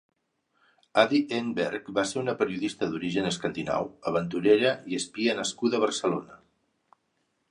Adi Enberg va ser una periodista d'origen escandinau, aventurera i espia nascuda a Barcelona.